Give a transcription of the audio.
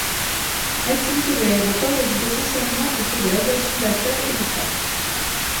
L'activité de l'aéroport réside essentiellement autour de l'aviation d'affaires et du fret.